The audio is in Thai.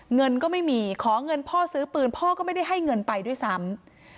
เงินก็ไม่มีขอเงินพ่อซื้อปืนพ่อก็ไม่ได้ให้เงินไปด้วยซ้ำ